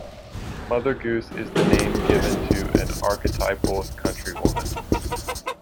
Mother Goose is the name given to an archetypal country woman.